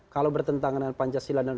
kalau bertentangan dengan pancasila dan